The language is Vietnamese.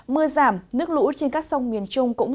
mưa giảm nước lũ trên các sông miền trung